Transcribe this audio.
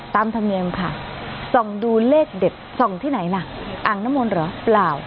ธรรมเนียมค่ะส่องดูเลขเด็ดส่องที่ไหนล่ะอ่างน้ำมนต์เหรอเปล่า